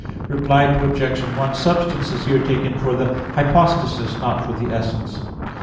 Reply Obj. 1: Substance is here taken for the "hypostasis," and not for the essence.